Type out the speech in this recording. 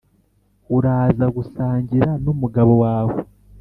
uraza gusangira n’umugabo wawe,